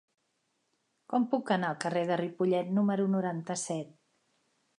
Com puc anar al carrer de Ripollet número noranta-set?